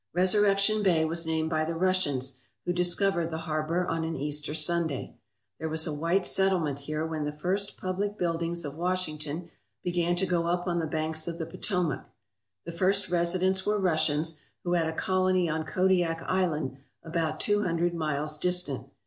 Resurrection Bay was named by the Russians, who dis covered the harbour on an Easter Sunday. There was a white settlement here when the first public buildings of Washington began to go up on the banks of the Potomac. The first residents were Russians, who had a colony on Kodiak Island about two hundred miles distant.